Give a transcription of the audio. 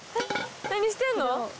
何してんの？